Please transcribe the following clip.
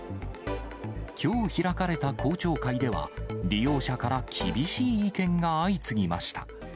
きょう開かれた公聴会では、利用者から厳しい意見が相次ぎました。